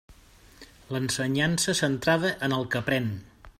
L'ensenyança centrada en el que aprén.